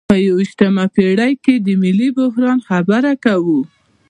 په یویشتمه پیړۍ کې د ملي بحران خبره کوو.